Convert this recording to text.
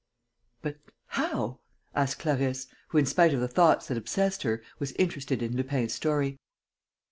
"But ... how...?" asked Clarisse, who, in spite of the thoughts that obsessed her, was interested in Lupin's story.